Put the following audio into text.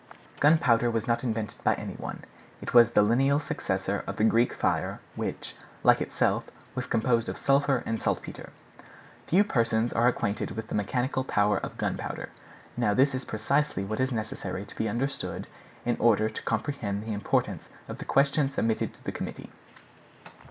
Gunpowder was not invented by any one; it was the lineal successor of the Greek fire, which, like itself, was composed of sulfur and saltpeter. Few persons are acquainted with the mechanical power of gunpowder. Now this is precisely what is necessary to be understood in order to comprehend the importance of the question submitted to the committee.